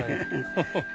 ハハハ。